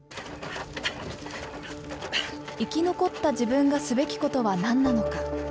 生き残った自分がすべきことは何なのか。